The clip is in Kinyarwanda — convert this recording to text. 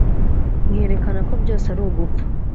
nkerekana ko byose ari ugupfa